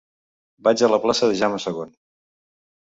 Vaig a la plaça de Jaume II.